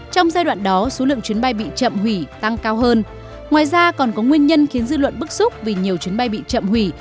trong giai đoạn đó số lượng chuyến bay bị chậm hủy tăng cao hơn ngoài ra còn có nguyên nhân khiến dư luận bức xúc vì nhiều chuyến bay bị chậm hủy